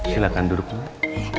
silahkan duduk emak